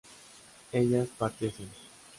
ellas partiesen